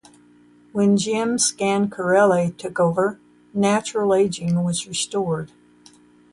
When Jim Scancarelli took over, natural aging was restored.